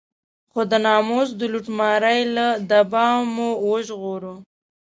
خو د ناموس د لوټمارۍ له دبا مو وژغوره.